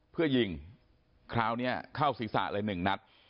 เพื่อยิงคราวนี้เข้าศีรษะเลยหนึ่งนัด